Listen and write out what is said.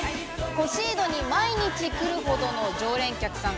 コシードに毎日来るほどの常連客さん。